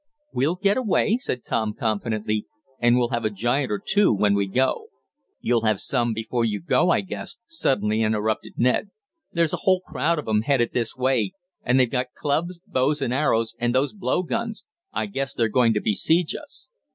"We'll get away," said Tom confidently, "and we'll have a giant or two when we go." "You'll have some before you go I guess!" suddenly interrupted Ned. "There's a whole crowd of 'em headed this way, and they've got clubs, bows and arrows and those blow guns! I guess they're going to besiege us."